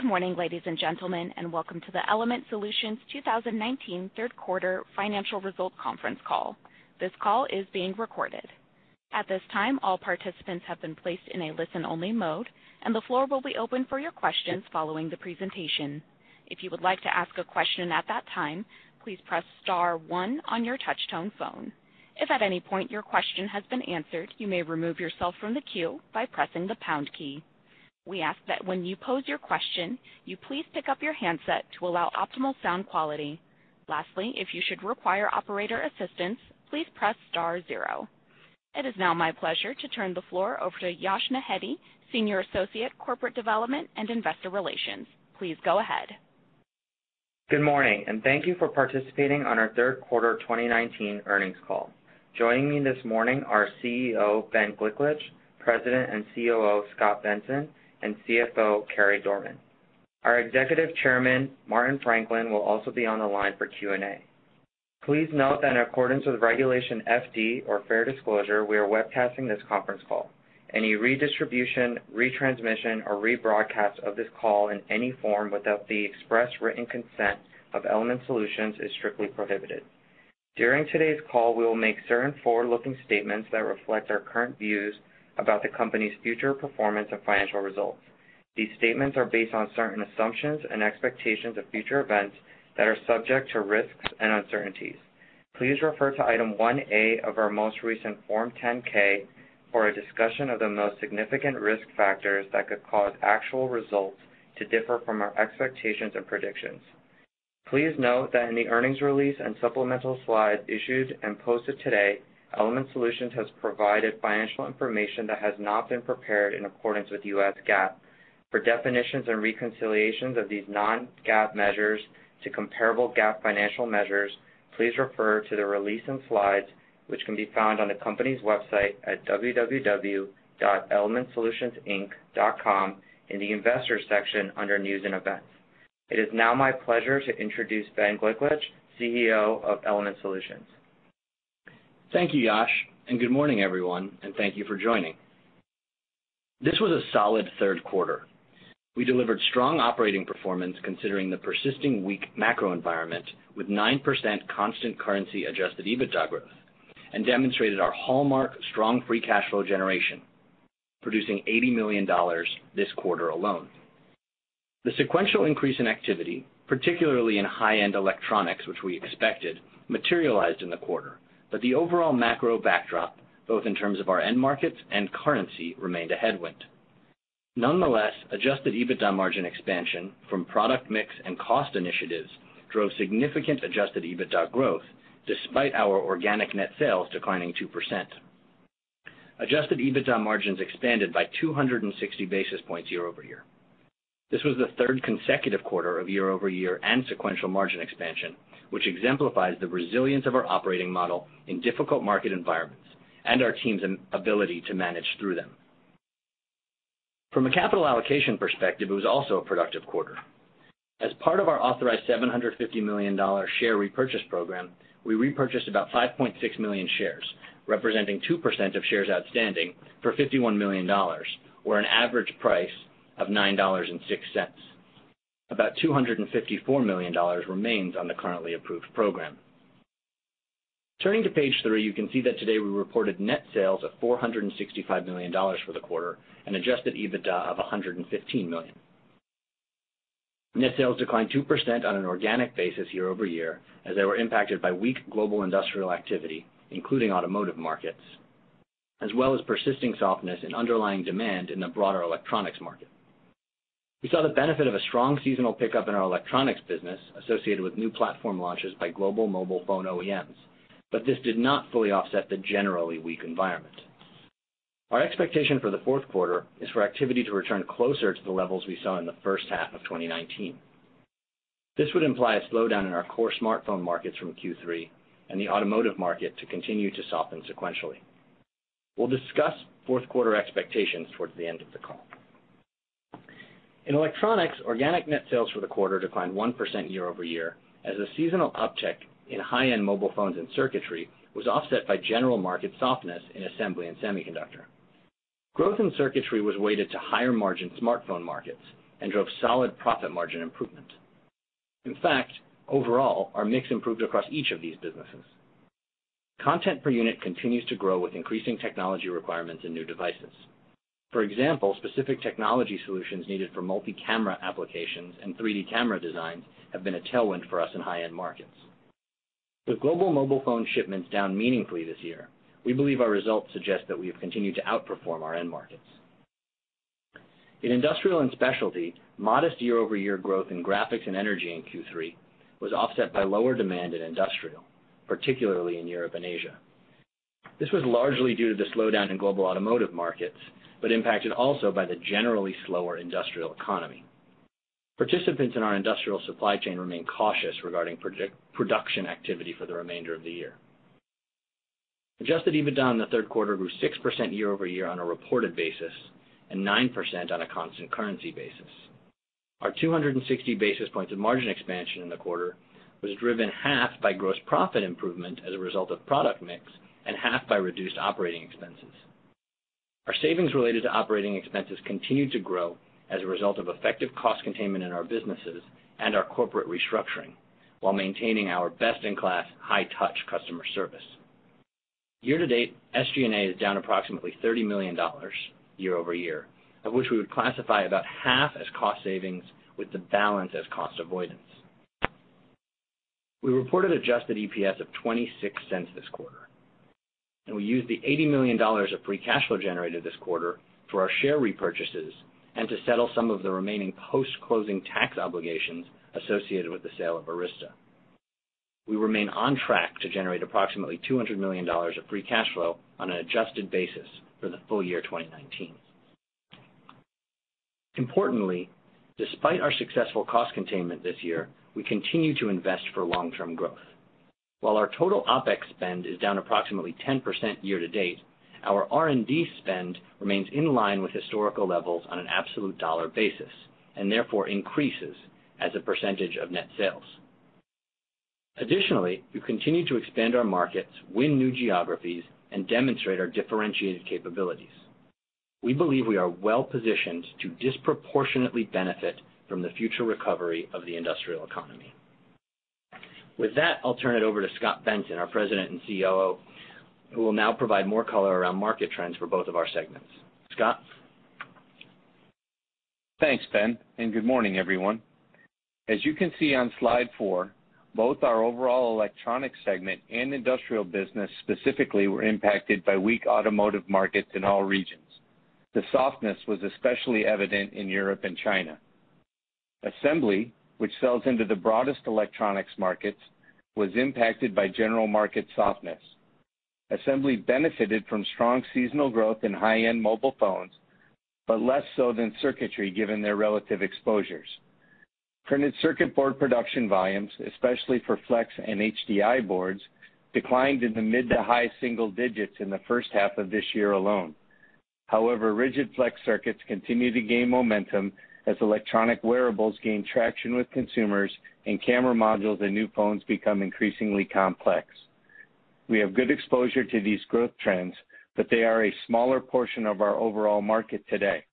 Good morning, ladies and gentlemen, and welcome to the Element Solutions 2019 third quarter financial results conference call. This call is being recorded. At this time, all participants have been placed in a listen-only mode, and the floor will be open for your questions following the presentation. If you would like to ask a question at that time, please press star one on your touch-tone phone. If at any point your question has been answered, you may remove yourself from the queue by pressing the pound key. We ask that when you pose your question, you please pick up your handset to allow optimal sound quality. Lastly, if you should require operator assistance, please press star zero. It is now my pleasure to turn the floor over to Yash Nehete, Senior Associate, Corporate Development and Investor Relations. Please go ahead. Good morning. Thank you for participating on our third quarter 2019 earnings call. Joining me this morning are CEO, Ben Gliklich, President and COO, Scot Benson, and CFO, Carey Dorman. Our Executive Chairman, Martin Franklin, will also be on the line for Q&A. Please note that in accordance with Regulation FD, or Fair Disclosure, we are webcasting this conference call. Any redistribution, retransmission, or rebroadcast of this call in any form without the express written consent of Element Solutions is strictly prohibited. During today's call, we will make certain forward-looking statements that reflect our current views about the company's future performance and financial results. These statements are based on certain assumptions and expectations of future events that are subject to risks and uncertainties. Please refer to Item 1A of our most recent Form 10-K for a discussion of the most significant risk factors that could cause actual results to differ from our expectations and predictions. Please note that in the earnings release and supplemental slides issued and posted today, Element Solutions has provided financial information that has not been prepared in accordance with US GAAP. For definitions and reconciliations of these non-GAAP measures to comparable GAAP financial measures, please refer to the release in slides, which can be found on the company's website at www.elementsolutionsinc.com in the Investors section under News & Events. It is now my pleasure to introduce Ben Gliklich, CEO of Element Solutions. Thank you, Yash, and good morning, everyone, and thank you for joining. This was a solid third quarter. We delivered strong operating performance, considering the persisting weak macro environment, with 9% constant currency adjusted EBITDA growth, and demonstrated our hallmark strong free cash flow generation, producing $80 million this quarter alone. The sequential increase in activity, particularly in high-end electronics, which we expected, materialized in the quarter, but the overall macro backdrop, both in terms of our end markets and currency, remained a headwind. Nonetheless, adjusted EBITDA margin expansion from product mix and cost initiatives drove significant adjusted EBITDA growth despite our organic net sales declining 2%. Adjusted EBITDA margins expanded by 260 basis points year-over-year. This was the third consecutive quarter of year-over-year and sequential margin expansion, which exemplifies the resilience of our operating model in difficult market environments and our team's ability to manage through them. From a capital allocation perspective, it was also a productive quarter. As part of our authorized $750 million share repurchase program, we repurchased about 5.6 million shares, representing 2% of shares outstanding for $51 million, or an average price of $9.06. About $254 million remains on the currently approved program. Turning to page three, you can see that today we reported net sales of $465 million for the quarter and adjusted EBITDA of $115 million. Net sales declined 2% on an organic basis year-over-year as they were impacted by weak global industrial activity, including automotive markets, as well as persisting softness in underlying demand in the broader electronics market. We saw the benefit of a strong seasonal pickup in our electronics business associated with new platform launches by global mobile phone OEMs, but this did not fully offset the generally weak environment. Our expectation for the fourth quarter is for activity to return closer to the levels we saw in the first half of 2019. This would imply a slowdown in our core smartphone markets from Q3 and the automotive market to continue to soften sequentially. We'll discuss fourth quarter expectations towards the end of the call. In electronics, organic net sales for the quarter declined 1% year-over-year, as the seasonal uptick in high-end mobile phones and circuitry was offset by general market softness in assembly and semiconductor. Growth in circuitry was weighted to higher margin smartphone markets and drove solid profit margin improvement. In fact, overall, our mix improved across each of these businesses. Content per unit continues to grow with increasing technology requirements in new devices. For example, specific technology solutions needed for multi-camera applications and 3D camera designs have been a tailwind for us in high-end markets. With global mobile phone shipments down meaningfully this year, we believe our results suggest that we have continued to outperform our end markets. In industrial and specialty, modest year-over-year growth in graphics and energy in Q3 was offset by lower demand in industrial, particularly in Europe and Asia. This was largely due to the slowdown in global automotive markets, but impacted also by the generally slower industrial economy. Participants in our industrial supply chain remain cautious regarding production activity for the remainder of the year. Adjusted EBITDA in the third quarter grew 6% year-over-year on a reported basis and 9% on a constant currency basis. Our 260 basis points of margin expansion in the quarter was driven half by gross profit improvement as a result of product mix and half by reduced operating expenses. Our savings related to operating expenses continued to grow as a result of effective cost containment in our businesses and our corporate restructuring while maintaining our best-in-class high touch customer service. Year to date, SG&A is down approximately $30 million year-over-year, of which we would classify about half as cost savings with the balance as cost avoidance. We reported adjusted EPS of $0.26 this quarter. We used the $80 million of free cash flow generated this quarter for our share repurchases and to settle some of the remaining post-closing tax obligations associated with the sale of Arysta. We remain on track to generate approximately $200 million of free cash flow on an adjusted basis for the full year 2019. Importantly, despite our successful cost containment this year, we continue to invest for long-term growth. While our total OpEx spend is down approximately 10% year to date, our R&D spend remains in line with historical levels on an absolute dollar basis, and therefore increases as a percentage of net sales. Additionally, we continue to expand our markets, win new geographies, and demonstrate our differentiated capabilities. We believe we are well-positioned to disproportionately benefit from the future recovery of the industrial economy. With that, I'll turn it over to Scot Benson, our President and COO, who will now provide more color around market trends for both of our segments. Scot? Thanks, Ben, and good morning, everyone. As you can see on slide four, both our overall Electronics segment and Industrial business specifically were impacted by weak automotive markets in all regions. The softness was especially evident in Europe and China. Assembly, which sells into the broadest electronics markets, was impacted by general market softness. Assembly benefited from strong seasonal growth in high-end mobile phones, but less so than circuitry given their relative exposures. Printed circuit board production volumes, especially for flex and HDI boards, declined in the mid to high single digits in the first half of this year alone. However, rigid flex circuits continue to gain momentum as electronic wearables gain traction with consumers and camera modules in new phones become increasingly complex. We have good exposure to these growth trends, but they are a smaller portion of our overall market today.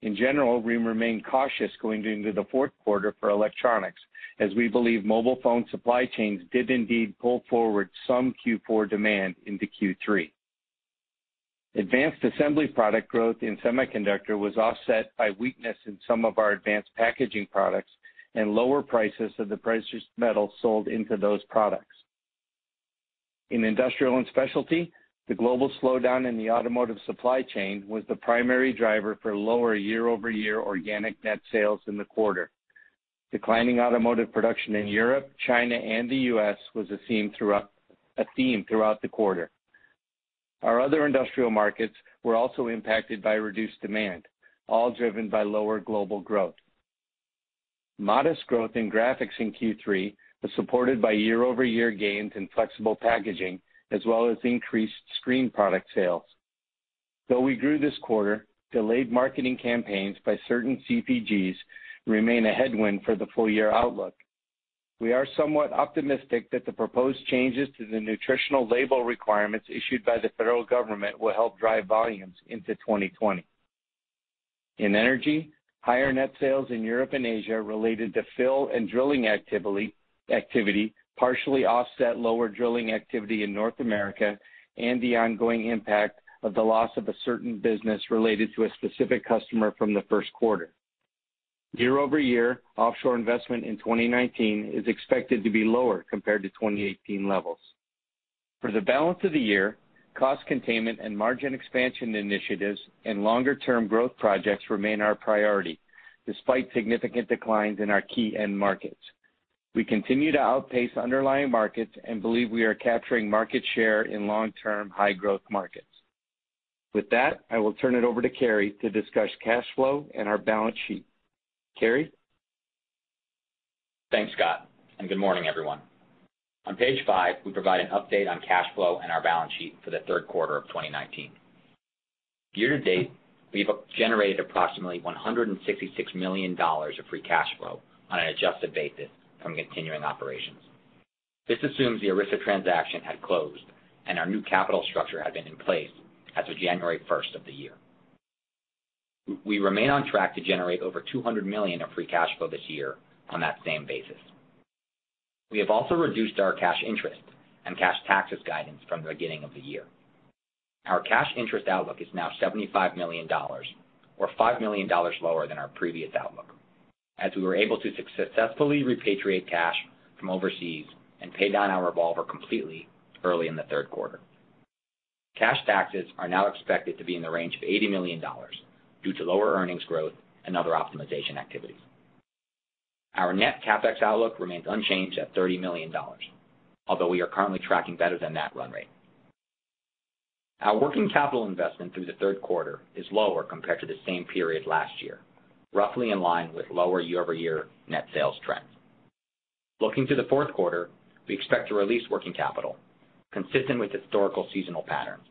In general, we remain cautious going into the fourth quarter for electronics, as we believe mobile phone supply chains did indeed pull forward some Q4 demand into Q3. Advanced assembly product growth in semiconductor was offset by weakness in some of our advanced packaging products and lower prices of the precious metal sold into those products. In industrial and specialty, the global slowdown in the automotive supply chain was the primary driver for lower year-over-year organic net sales in the quarter. Declining automotive production in Europe, China, and the U.S. was a theme throughout the quarter. Our other industrial markets were also impacted by reduced demand, all driven by lower global growth. Modest growth in graphics in Q3 was supported by year-over-year gains in flexible packaging, as well as increased screen product sales. Though we grew this quarter, delayed marketing campaigns by certain CPGs remain a headwind for the full-year outlook. We are somewhat optimistic that the proposed changes to the nutritional label requirements issued by the federal government will help drive volumes into 2020. In energy, higher net sales in Europe and Asia related to fill and drilling activity partially offset lower drilling activity in North America and the ongoing impact of the loss of a certain business related to a specific customer from the first quarter. Year-over-year, offshore investment in 2019 is expected to be lower compared to 2018 levels. For the balance of the year, cost containment and margin expansion initiatives and longer-term growth projects remain our priority, despite significant declines in our key end markets. We continue to outpace underlying markets and believe we are capturing market share in long-term, high-growth markets. With that, I will turn it over to Carey to discuss cash flow and our balance sheet. Carey? Thanks, Scot, and good morning, everyone. On page five, we provide an update on cash flow and our balance sheet for the third quarter of 2019. Year to date, we have generated approximately $166 million of free cash flow on an adjusted basis from continuing operations. This assumes the Arysta transaction had closed and our new capital structure had been in place as of January 1st of the year. We remain on track to generate over $200 million of free cash flow this year on that same basis. We have also reduced our cash interest and cash taxes guidance from the beginning of the year. Our cash interest outlook is now $75 million, or $5 million lower than our previous outlook, as we were able to successfully repatriate cash from overseas and pay down our revolver completely early in the third quarter. Cash taxes are now expected to be in the range of $80 million due to lower earnings growth and other optimization activities. Our net CapEx outlook remains unchanged at $30 million, although we are currently tracking better than that run rate. Our working capital investment through the third quarter is lower compared to the same period last year, roughly in line with lower year-over-year net sales trends. Looking to the fourth quarter, we expect to release working capital, consistent with historical seasonal patterns.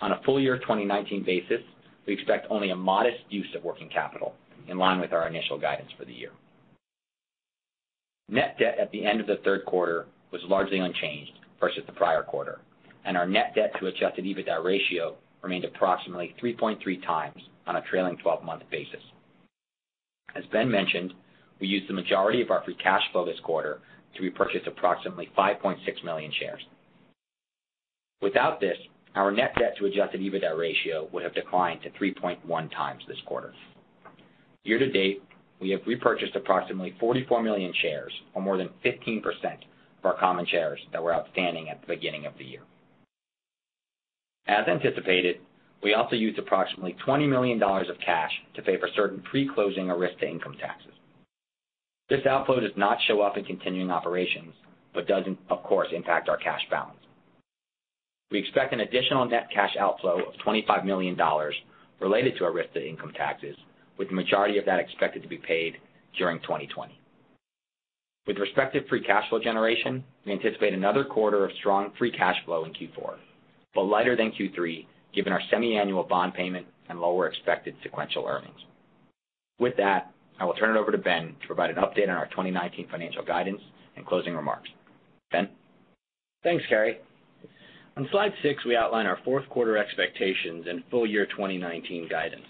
On a full-year 2019 basis, we expect only a modest use of working capital in line with our initial guidance for the year. Net debt at the end of the third quarter was largely unchanged versus the prior quarter, and our net debt to adjusted EBITDA ratio remained approximately 3.3 times on a trailing 12-month basis. As Ben mentioned, we used the majority of our free cash flow this quarter to repurchase approximately 5.6 million shares. Without this, our net debt to adjusted EBITDA ratio would have declined to 3.1 times this quarter. Year to date, we have repurchased approximately 44 million shares or more than 15% of our common shares that were outstanding at the beginning of the year. As anticipated, we also used approximately $20 million of cash to pay for certain pre-closing Arysta income taxes. This outflow does not show up in continuing operations, but does, of course, impact our cash balance. We expect an additional net cash outflow of $25 million related to Arysta income taxes, with the majority of that expected to be paid during 2020. With respective free cash flow generation, we anticipate another quarter of strong free cash flow in Q4, but lighter than Q3, given our semiannual bond payment and lower expected sequential earnings. With that, I will turn it over to Ben to provide an update on our 2019 financial guidance and closing remarks. Ben? Thanks, Carey. On slide six, we outline our fourth quarter expectations and full year 2019 guidance.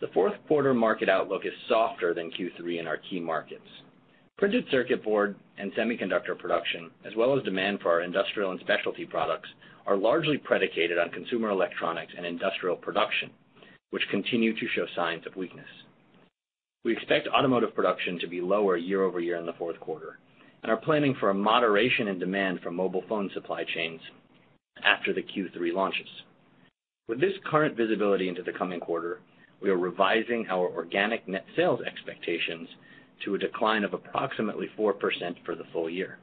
The fourth quarter market outlook is softer than Q3 in our key markets. Printed circuit board and semiconductor production, as well as demand for our industrial and specialty products, are largely predicated on consumer electronics and industrial production, which continue to show signs of weakness. We expect automotive production to be lower year-over-year in the fourth quarter and are planning for a moderation in demand for mobile phone supply chains after the Q3 launches. With this current visibility into the coming quarter, we are revising our organic net sales expectations to a decline of approximately 4% for the full year.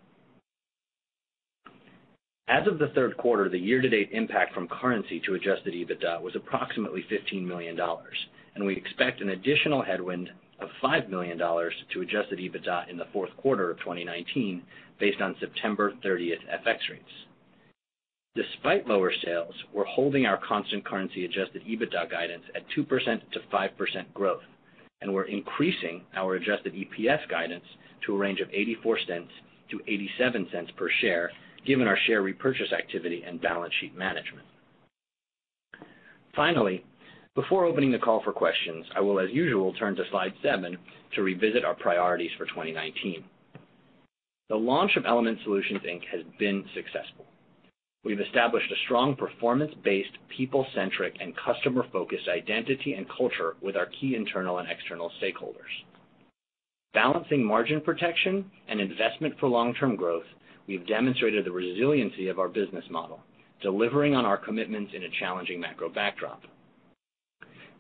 As of the third quarter, the year-to-date impact from currency to adjusted EBITDA was approximately $15 million, and we expect an additional headwind of $5 million to adjusted EBITDA in the fourth quarter of 2019 based on September 30th FX rates. Despite lower sales, we're holding our constant currency adjusted EBITDA guidance at 2%-5% growth, and we're increasing our adjusted EPS guidance to a range of $0.84-$0.87 per share, given our share repurchase activity and balance sheet management. Finally, before opening the call for questions, I will, as usual, turn to slide seven to revisit our priorities for 2019. The launch of Element Solutions Inc. has been successful. We've established a strong performance-based, people-centric, and customer-focused identity and culture with our key internal and external stakeholders. Balancing margin protection and investment for long-term growth, we've demonstrated the resiliency of our business model, delivering on our commitments in a challenging macro backdrop.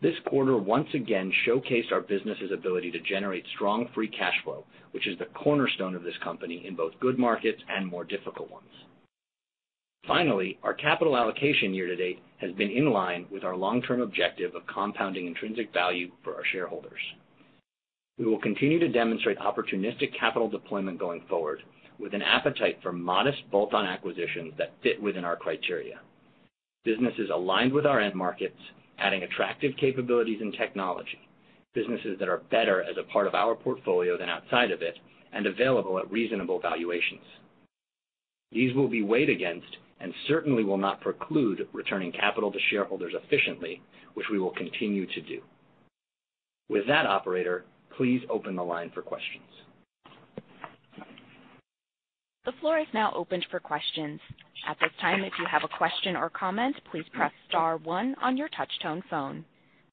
This quarter once again showcased our business's ability to generate strong free cash flow, which is the cornerstone of this company in both good markets and more difficult ones. Finally, our capital allocation year to date has been in line with our long-term objective of compounding intrinsic value for our shareholders. We will continue to demonstrate opportunistic capital deployment going forward with an appetite for modest bolt-on acquisitions that fit within our criteria. Businesses aligned with our end markets, adding attractive capabilities and technology, businesses that are better as a part of our portfolio than outside of it, and available at reasonable valuations. These will be weighed against and certainly will not preclude returning capital to shareholders efficiently, which we will continue to do. With that, operator, please open the line for questions. The floor is now opened for questions. At this time, if you have a question or comment, please press star one on your touch-tone phone.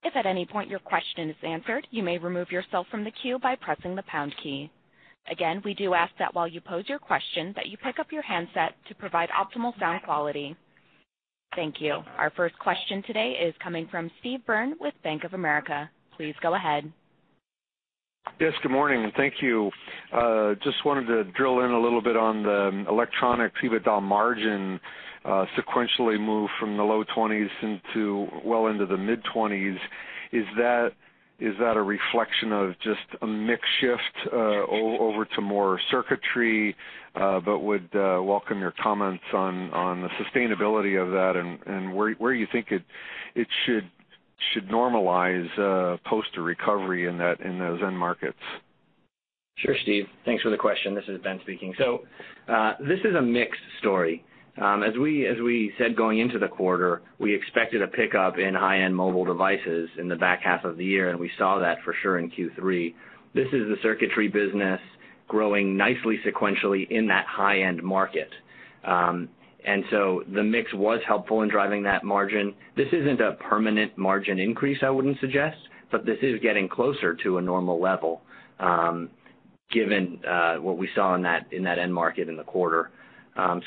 If at any point your question is answered, you may remove yourself from the queue by pressing the pound key. Again, we do ask that while you pose your question, that you pick up your handset to provide optimal sound quality. Thank you. Our first question today is coming from Steve Byrne with Bank of America. Please go ahead. Yes, good morning. Thank you. Just wanted to drill in a little bit on the electronic EBITDA margin sequentially move from the low 20s into well into the mid-20s. Is that a reflection of just a mix shift over to more circuitry? Would welcome your comments on the sustainability of that and where you think it should normalize post a recovery in those end markets. Sure, Steve. Thanks for the question. This is Ben speaking. This is a mixed story. As we said going into the quarter, we expected a pickup in high-end mobile devices in the back half of the year, and we saw that for sure in Q3. This is the circuitry business growing nicely sequentially in that high-end market. The mix was helpful in driving that margin. This isn't a permanent margin increase, I wouldn't suggest, but this is getting closer to a normal level, given what we saw in that end market in the quarter.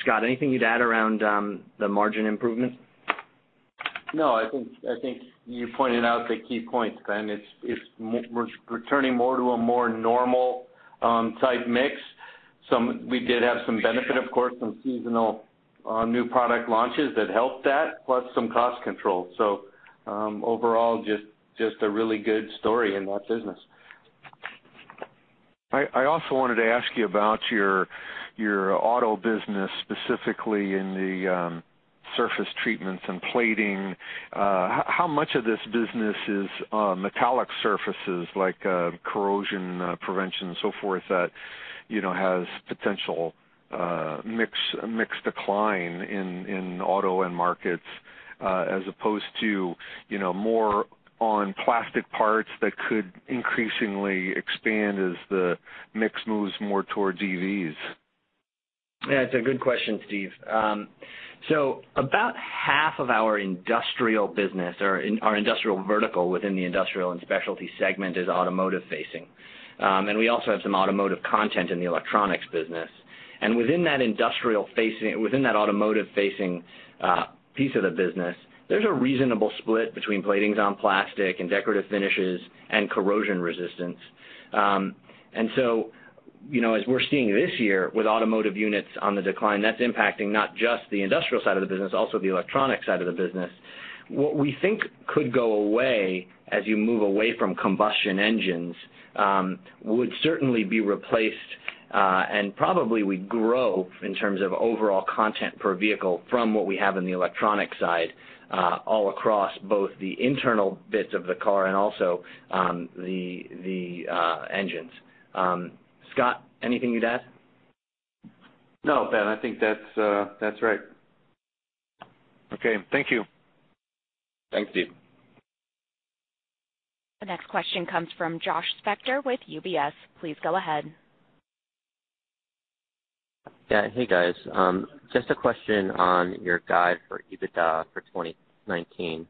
Scot, anything you'd add around the margin improvement? I think you pointed out the key points, Ben. We're returning more to a more normal type mix. We did have some benefit, of course, some seasonal new product launches that helped that, plus some cost control. Overall, just a really good story in that business. I also wanted to ask you about your auto business, specifically in the surface treatments and plating. How much of this business is metallic surfaces, like corrosion prevention and so forth that has potential mixed decline in auto end markets, as opposed to more on plastic parts that could increasingly expand as the mix moves more towards EVs? Yeah, it's a good question, Steve. About half of our industrial business, or our industrial vertical within the industrial and specialty segment is automotive facing. We also have some automotive content in the electronics business. Within that automotive facing piece of the business, there's a reasonable split between platings on plastic, and decorative finishes, and corrosion resistance. As we're seeing this year with automotive units on the decline, that's impacting not just the industrial side of the business, also the electronic side of the business. What we think could go away as you move away from combustion engines, would certainly be replaced, and probably would grow in terms of overall content per vehicle from what we have in the electronic side, all across both the internal bits of the car and also the engines. Scot, anything you'd add? No, Ben, I think that's right. Okay. Thank you. Thanks, Steve. The next question comes from Josh Spector with UBS. Please go ahead. Yeah. Hey, guys. Just a question on your guide for EBITDA for 2019.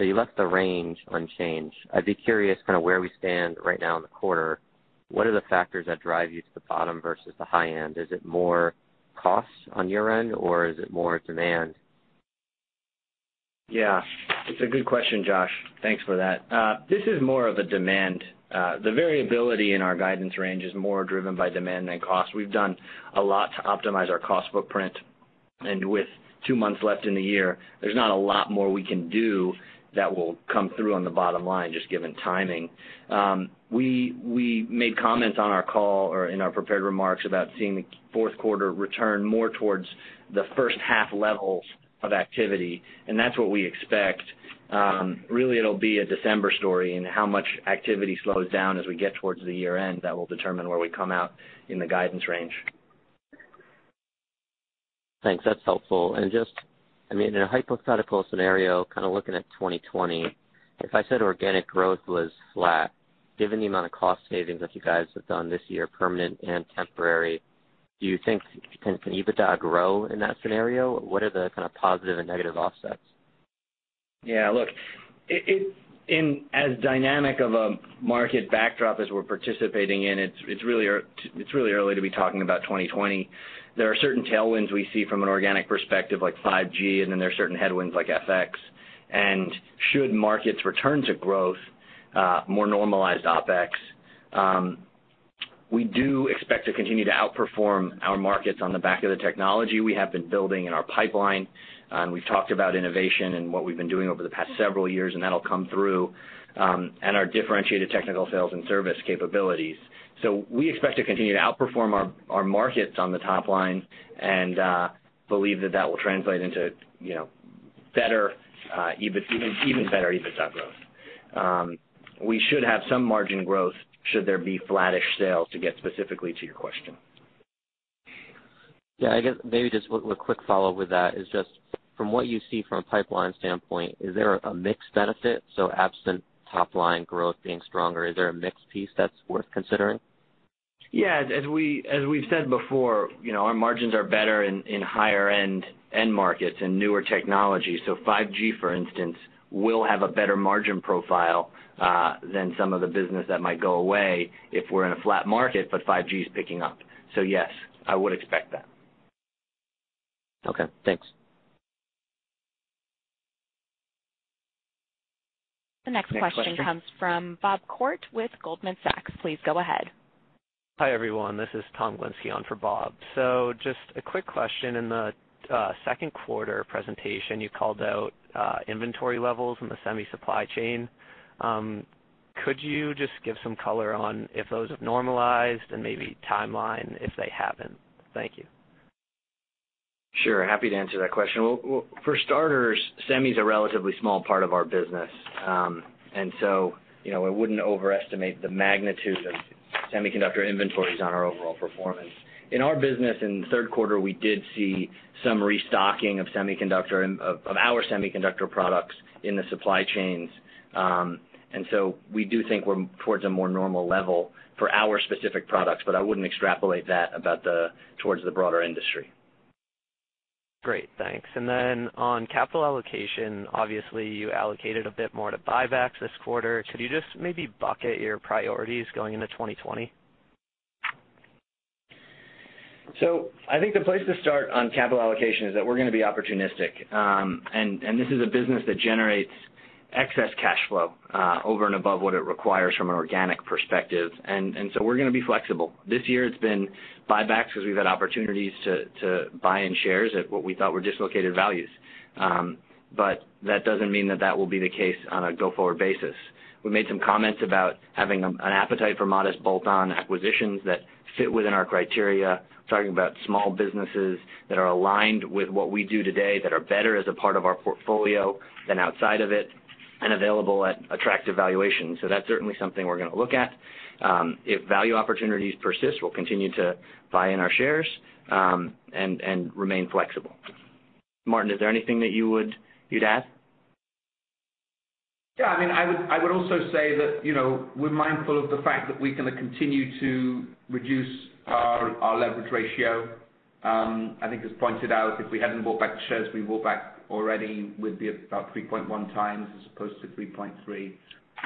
You left the range unchanged. I'd be curious kind of where we stand right now in the quarter. What are the factors that drive you to the bottom versus the high end? Is it more costs on your end or is it more demand? Yeah, it's a good question, Josh. Thanks for that. This is more of a demand. The variability in our guidance range is more driven by demand than cost. We've done a lot to optimize our cost footprint, and with two months left in the year, there's not a lot more we can do that will come through on the bottom line, just given timing. We made comments on our call or in our prepared remarks about seeing the fourth quarter return more towards the first half levels of activity, and that's what we expect. Really, it'll be a December story and how much activity slows down as we get towards the year-end that will determine where we come out in the guidance range. Thanks. That's helpful. Just, in a hypothetical scenario, kind of looking at 2020, if I said organic growth was flat, given the amount of cost savings that you guys have done this year, permanent and temporary, do you think, can EBITDA grow in that scenario? What are the kind of positive and negative offsets? Yeah, look. As dynamic of a market backdrop as we're participating in, it's really early to be talking about 2020. There are certain tailwinds we see from an organic perspective, like 5G, and then there are certain headwinds like FX. Should markets return to growth, more normalized OpEx. We do expect to continue to outperform our markets on the back of the technology we have been building in our pipeline. We've talked about innovation and what we've been doing over the past several years, and that'll come through, and our differentiated technical sales and service capabilities. We expect to continue to outperform our markets on the top line and believe that that will translate into even better EBITDA growth. We should have some margin growth should there be flattish sales, to get specifically to your question. Yeah, I guess maybe just a quick follow with that is just from what you see from a pipeline standpoint, is there a mixed benefit? Absent top line growth being stronger, is there a mixed piece that's worth considering? Yeah, as we've said before our margins are better in higher end markets and newer technology. 5G, for instance, will have a better margin profile than some of the business that might go away if we're in a flat market, but 5G is picking up. Yes, I would expect that. Okay, thanks. The next question comes from Bob Koort with Goldman Sachs. Please go ahead. Hi, everyone. This is Tom Glinsky on for Bob. Just a quick question. In the second quarter presentation, you called out inventory levels in the semi supply chain. Could you just give some color on if those have normalized and maybe timeline if they haven't? Thank you. Sure. Happy to answer that question. Well, for starters, semi's a relatively small part of our business. I wouldn't overestimate the magnitude of semiconductor inventories on our overall performance. In our business in the third quarter, we did see some restocking of our semiconductor products in the supply chains. We do think we're towards a more normal level for our specific products, but I wouldn't extrapolate that towards the broader industry. Great. Thanks. On capital allocation, obviously you allocated a bit more to buybacks this quarter. Could you just maybe bucket your priorities going into 2020? I think the place to start on capital allocation is that we're going to be opportunistic. This is a business that generates excess cash flow, over and above what it requires from an organic perspective. We're going to be flexible. This year it's been buybacks because we've had opportunities to buy in shares at what we thought were dislocated values. That doesn't mean that that will be the case on a go-forward basis. We made some comments about having an appetite for modest bolt-on acquisitions that fit within our criteria, talking about small businesses that are aligned with what we do today that are better as a part of our portfolio than outside of it and available at attractive valuations. That's certainly something we're going to look at. If value opportunities persist, we'll continue to buy in our shares, and remain flexible. Martin, is there anything that you'd add? I would also say that we're mindful of the fact that we're going to continue to reduce our leverage ratio. I think as pointed out, if we hadn't bought back the shares, we bought back already, we'd be about 3.1 times as opposed to 3.3.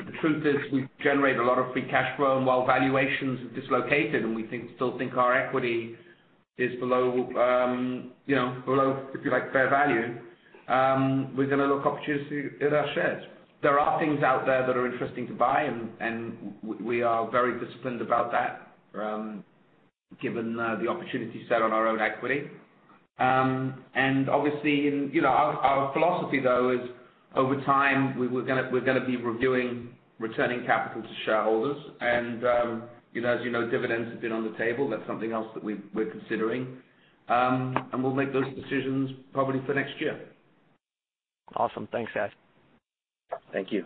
The truth is, we generate a lot of free cash flow, and while valuations have dislocated and we still think our equity is below, if you like, fair value, we're going to look opportunities at our shares. There are things out there that are interesting to buy, we are very disciplined about that, given the opportunity set on our own equity. Obviously, our philosophy though is, over time, we're going to be reviewing returning capital to shareholders. As you know, dividends have been on the table. That's something else that we're considering. We'll make those decisions probably for next year. Awesome. Thanks, guys. Thank you.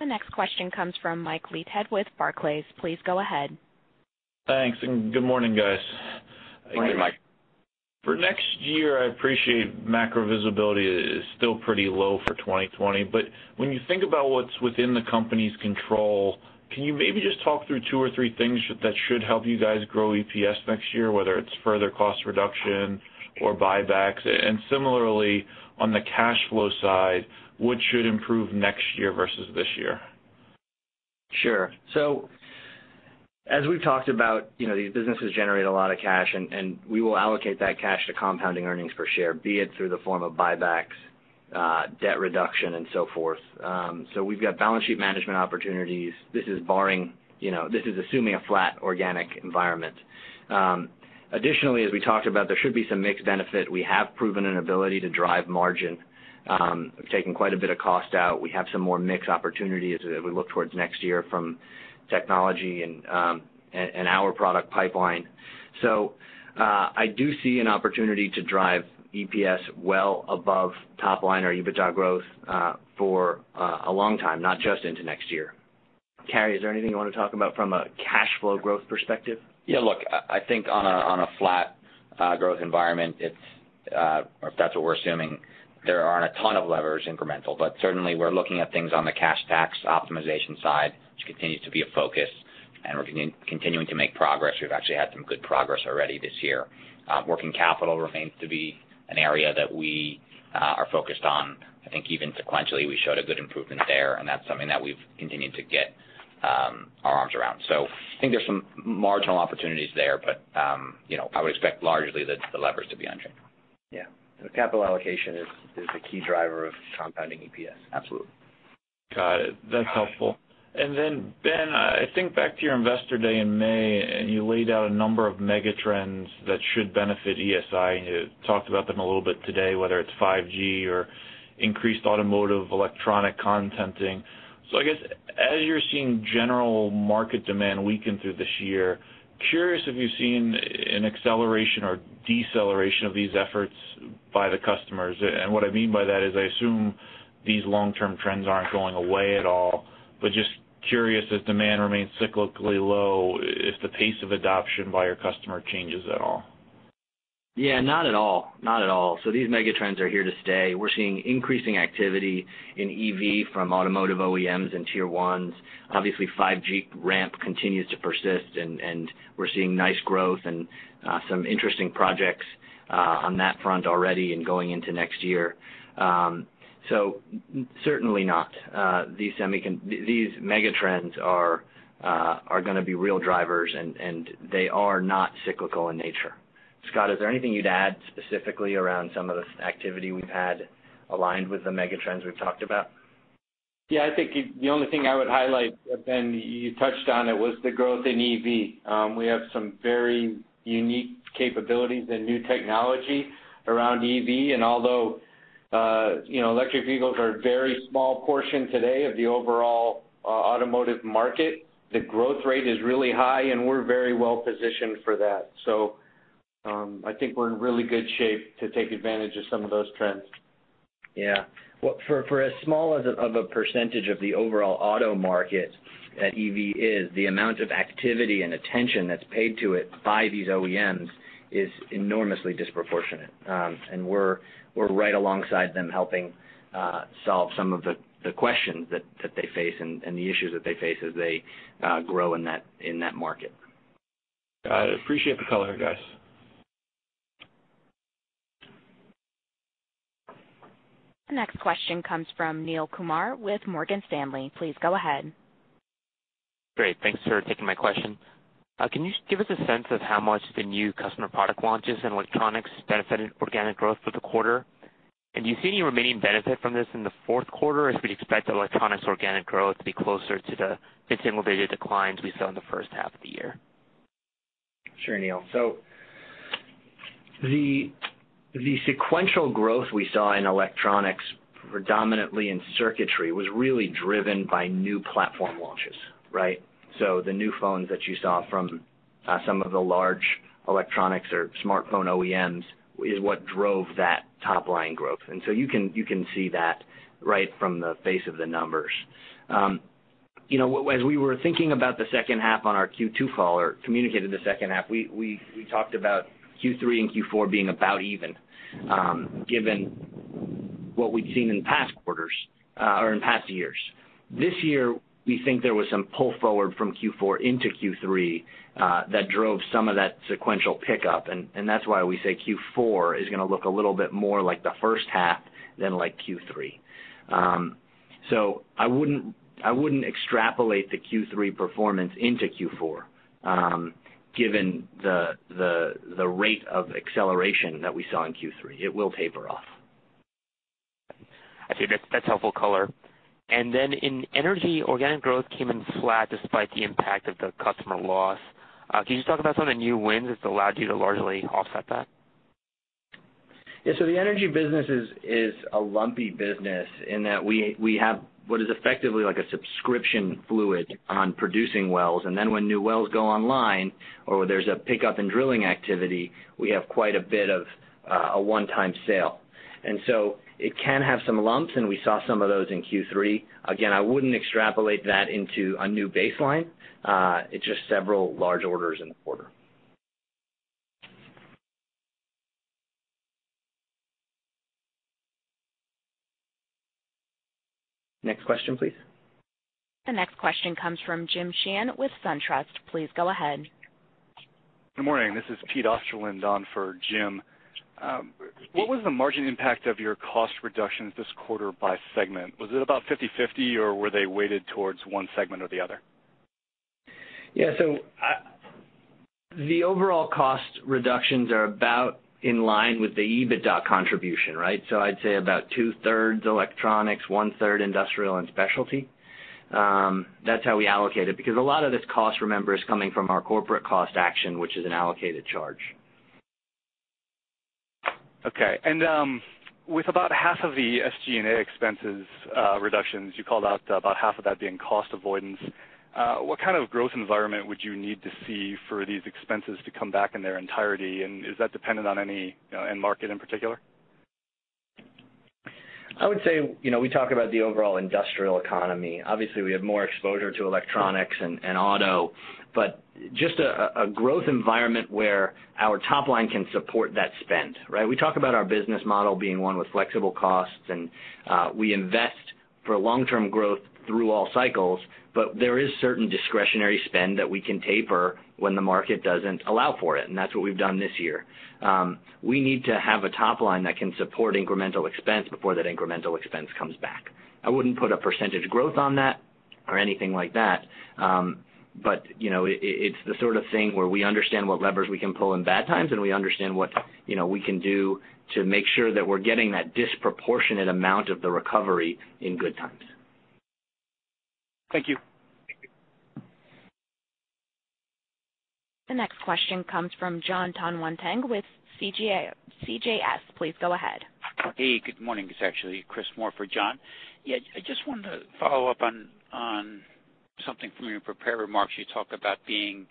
The next question comes from Mike Leithead with Barclays. Please go ahead. Thanks, good morning, guys. Good morning. Good morning. For next year, I appreciate macro visibility is still pretty low for 2020, but when you think about what's within the company's control, can you maybe just talk through two or three things that should help you guys grow EPS next year, whether it's further cost reduction or buybacks? Similarly, on the cash flow side, what should improve next year versus this year? Sure. As we've talked about, these businesses generate a lot of cash, and we will allocate that cash to compounding earnings per share, be it through the form of buybacks, debt reduction, and so forth. We've got balance sheet management opportunities. This is assuming a flat organic environment. Additionally, as we talked about, there should be some mix benefit. We have proven an ability to drive margin. We've taken quite a bit of cost out. We have some more mix opportunities as we look towards next year from technology and our product pipeline. I do see an opportunity to drive EPS well above top line or EBITDA growth for a long time, not just into next year. Carey, is there anything you want to talk about from a cash flow growth perspective? Yeah, look, I think on a flat growth environment, if that's what we're assuming, there aren't a ton of levers incremental. Certainly, we're looking at things on the cash tax optimization side, which continues to be a focus, and we're continuing to make progress. We've actually had some good progress already this year. Working capital remains to be an area that we are focused on. I think even sequentially, we showed a good improvement there, and that's something that we've continued to get our arms around. I think there's some marginal opportunities there. I would expect largely that the levers to be unchanged. Yeah. Capital allocation is the key driver of compounding EPS. Absolutely. Got it. That's helpful. Then Ben, I think back to your investor day in May, and you laid out a number of mega trends that should benefit ESI, and you talked about them a little bit today, whether it's 5G or increased automotive electronic contenting. I guess as you're seeing general market demand weaken through this year, curious if you've seen an acceleration or deceleration of these efforts by the customers. What I mean by that is I assume these long-term trends aren't going away at all, but just curious as demand remains cyclically low, if the pace of adoption by your customer changes at all. Yeah, not at all. These mega trends are here to stay. We're seeing increasing activity in EV from automotive OEMs and Tier 1s. Obviously, 5G ramp continues to persist and we're seeing nice growth and some interesting projects on that front already and going into next year. Certainly not. These mega trends are going to be real drivers, and they are not cyclical in nature. Scot, is there anything you'd add specifically around some of the activity we've had aligned with the mega trends we've talked about? Yeah, I think the only thing I would highlight, Ben, you touched on it, was the growth in EV. Although electric vehicles are a very small portion today of the overall automotive market, the growth rate is really high, and we're very well-positioned for that. I think we're in really good shape to take advantage of some of those trends. Yeah. For as small of a percentage of the overall auto market that EV is the amount of activity and attention that's paid to it by these OEMs is enormously disproportionate. We're right alongside them, helping solve some of the questions that they face and the issues that they face as they grow in that market. Got it. Appreciate the color, guys. The next question comes from Neel Kumar with Morgan Stanley. Please go ahead. Great. Thanks for taking my question. Can you just give us a sense of how much the new customer product launches in electronics benefited organic growth for the quarter? Do you see any remaining benefit from this in the fourth quarter, or should we expect electronics organic growth to be closer to the mid-single digit declines we saw in the first half of the year? Sure, Neel. The sequential growth we saw in electronics, predominantly in circuitry, was really driven by new platform launches, right? The new phones that you saw from some of the large electronics or smartphone OEMs is what drove that top-line growth. You can see that right from the face of the numbers. As we were thinking about the second half on our Q2 call, or communicated the second half, we talked about Q3 and Q4 being about even, given what we'd seen in past quarters or in past years. This year, we think there was some pull forward from Q4 into Q3 that drove some of that sequential pickup, and that's why we say Q4 is going to look a little bit more like the first half than like Q3. I wouldn't extrapolate the Q3 performance into Q4, given the rate of acceleration that we saw in Q3. It will taper off. I see. That's helpful color. Then in energy, organic growth came in flat despite the impact of the customer loss. Can you just talk about some of the new wins that's allowed you to largely offset that? Yeah. The energy business is a lumpy business in that we have what is effectively like a subscription fluid on producing wells. When new wells go online, or where there's a pickup in drilling activity, we have quite a bit of a one-time sale. It can have some lumps, and we saw some of those in Q3. Again, I wouldn't extrapolate that into a new baseline. It's just several large orders in the quarter. Next question, please. The next question comes from Jim Sheehan with SunTrust. Please go ahead. Good morning. This is Pete Osterland on for Jim. What was the margin impact of your cost reductions this quarter by segment? Was it about 50/50, or were they weighted towards one segment or the other? The overall cost reductions are about in line with the EBITDA contribution, right? I'd say about two-thirds electronics, one-third industrial and specialty. That's how we allocate it, because a lot of this cost, remember, is coming from our corporate cost action, which is an allocated charge. Okay. With about half of the SG&A expenses reductions, you called out about half of that being cost avoidance. What kind of growth environment would you need to see for these expenses to come back in their entirety? Is that dependent on any end market in particular? I would say, we talk about the overall industrial economy. Obviously, we have more exposure to electronics and auto, but just a growth environment where our top line can support that spend. We talk about our business model being one with flexible costs, and we invest for long-term growth through all cycles, but there is certain discretionary spend that we can taper when the market doesn't allow for it, and that's what we've done this year. We need to have a top line that can support incremental expense before that incremental expense comes back. I wouldn't put a % growth on that or anything like that. It's the sort of thing where we understand what levers we can pull in bad times, and we understand what we can do to make sure that we're getting that disproportionate amount of the recovery in good times. Thank you. The next question comes from John Tanwanteng with CJS. Please go ahead. Hey, good morning. It's actually Chris Moore for John. Yeah, I just wanted to follow up on something from your prepared remarks. You talked about being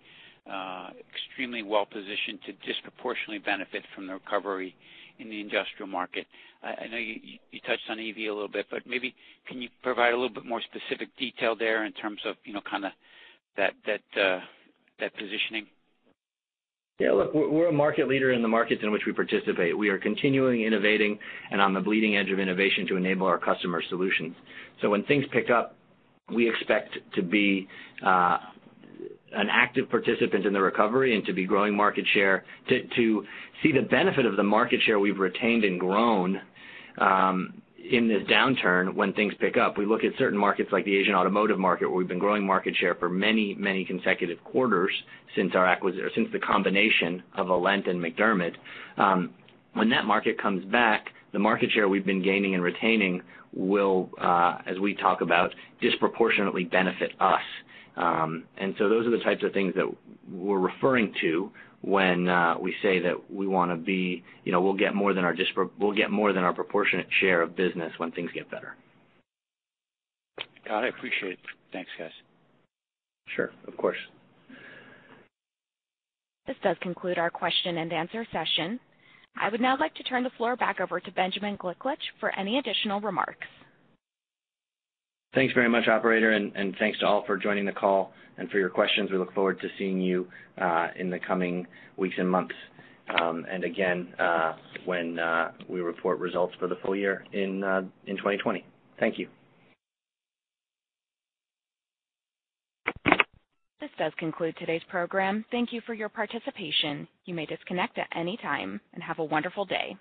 extremely well-positioned to disproportionately benefit from the recovery in the industrial market. I know you touched on EV a little bit, maybe, can you provide a little bit more specific detail there in terms of that positioning? Yeah, look, we're a market leader in the markets in which we participate. We are continually innovating and on the bleeding edge of innovation to enable our customer solutions. When things pick up, we expect to be an active participant in the recovery and to be growing market share, to see the benefit of the market share we've retained and grown in this downturn when things pick up. We look at certain markets like the Asian automotive market where we've been growing market share for many consecutive quarters since the combination of Alent and MacDermid. When that market comes back, the market share we've been gaining and retaining will, as we talk about, disproportionately benefit us. Those are the types of things that we're referring to when we say that we'll get more than our proportionate share of business when things get better. Got it. Appreciate it. Thanks, guys. Sure. Of course. This does conclude our question and answer session. I would now like to turn the floor back over to Ben Gliklich for any additional remarks. Thanks very much, operator. Thanks to all for joining the call and for your questions. We look forward to seeing you in the coming weeks and months, and again when we report results for the full year in 2020. Thank you. This does conclude today's program. Thank you for your participation. You may disconnect at any time, and have a wonderful day.